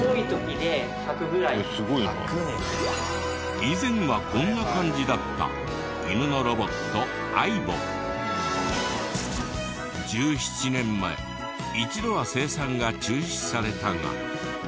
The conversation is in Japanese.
以前はこんな感じだった犬の１７年前一度は生産が中止されたが。